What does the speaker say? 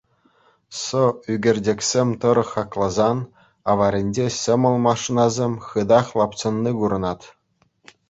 Сӑ ӳкерчӗксем тӑрӑх хакласан, аваринче ҫӑмӑл машинӑсем хытах лапчӑнни курӑнать.